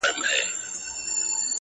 و دې پتنګ زړه ته مي ګرځمه لمبې لټوم,